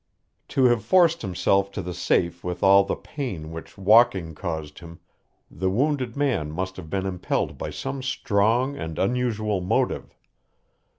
To have forced himself to the safe with all the pain which walking caused him, the wounded man must have been impelled by some strong and unusual motive.